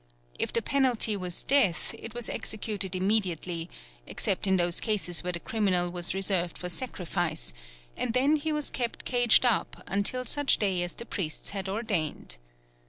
If the penalty was death it was executed immediately, except in those cases where the criminal was reserved for sacrifice, and then he was kept caged up until such day as the priests had ordained.